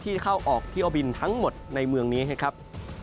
เข้าออกเที่ยวบินทั้งหมดในเมืองนี้นะครับ